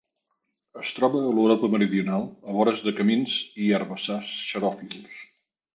Es troba a l'Europa meridional a vores de camins i herbassars xeròfils.